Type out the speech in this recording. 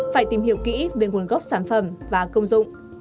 phải tìm hiểu kỹ về nguồn gốc xuất xứ thì sẽ đảm bảo hơn trong công tác phòng dịch